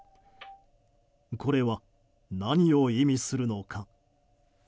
これは、何を意味するのか。